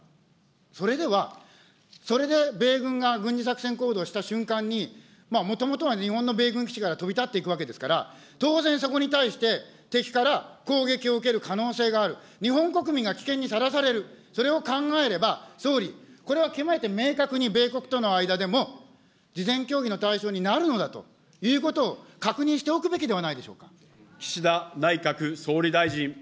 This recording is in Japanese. それでは、それで米軍が軍事作戦行動をした瞬間に、もともとは日本の米軍基地から飛び立っていくわけですから、当然、そこに対して敵から攻撃を受ける可能性がある、日本国民が危険にさらされる、それを考えれば、総理、これは極めて明確に米国との間でも事前協議の対象になるのだということを確認しておくべきではないでしょうか。